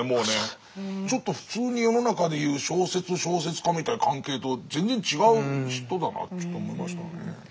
ちょっと普通に世の中で言う小説小説家みたいな関係と全然違う人だなってちょっと思いましたね。